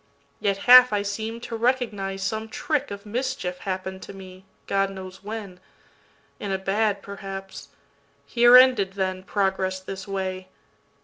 Yet half I seem'd to recognize some trickOf mischief happen'd to me, God knows when—In a bad perhaps. Here ended, then, Progress this way.